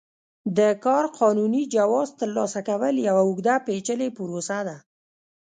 د کار قانوني جواز ترلاسه کول یوه اوږده پېچلې پروسه ده.